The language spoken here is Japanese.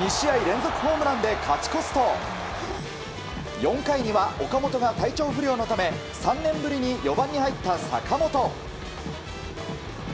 ２試合連続ホームランで勝ち越すと４回には岡本が体調不良のため３年ぶりに４番に入った坂本。